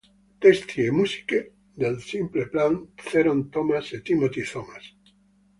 Testi e musiche dei Simple Plan, Theron Thomas e Timothy Thomas.